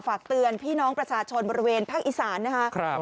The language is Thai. ฝากเตือนพี่น้องประชาชนบริเวณภาคอีสานนะครับ